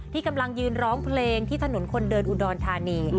กำลังยืนร้องเพลงที่ถนนคนเดินอุดรธานี